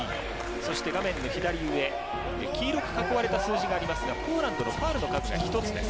そして画面の左上黄色く囲われた数字がありますがポーランドのファウルの数です。